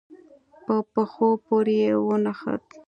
په پښو پورې يې ونښت.